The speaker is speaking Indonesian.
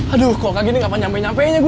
aduh kok kayak gini gak mau nyampe nyampeinnya gue